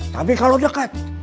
tapi kalau dekat